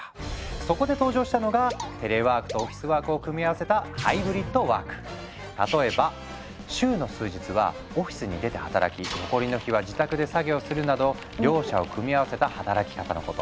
そこで登場したのがテレワークとオフィスワークを組み合わせた例えば週の数日はオフィスに出て働き残りの日は自宅で作業するなど両者を組み合わせた働き方のこと。